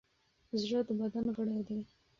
زړه د بدن غړی دی.